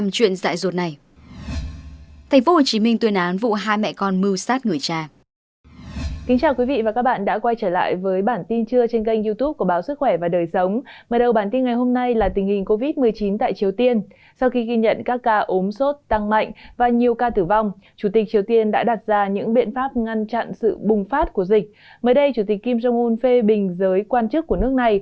chính minh tuyên án vụ hai mẹ con mưu sát người cha